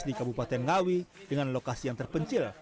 di kabupaten ngawi dengan lokasi yang terpencil